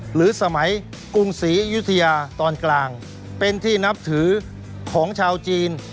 หรือสมัยกรุงศรีอยุธยาตอนกลางเป็นที่นับถือของชาวจีน